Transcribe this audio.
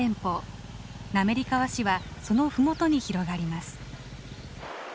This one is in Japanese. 滑川市はその麓に広がります。